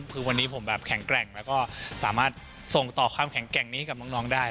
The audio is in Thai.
คือวันนี้ผมแบบแข็งแกร่งแล้วก็สามารถส่งต่อความแข็งแกร่งนี้กับน้องได้